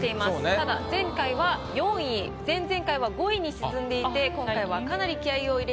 ただ前回は４位前々回は５位に沈んでいて今回はかなり気合を。